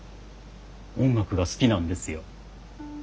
音楽が好きなんですよ。